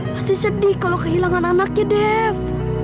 pasti sedih kalau kehilangan anaknya dev